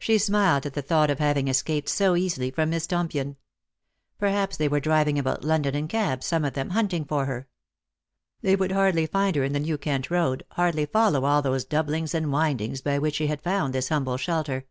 She smiled at the thought of having escaped so easily from Miss Tompion. Perhaps they were driving about London in cabs, some of them, hunting for her. They would hardly find her in the New Kent road, hardly follow all those doublings and windings by which she had found this humble shelter.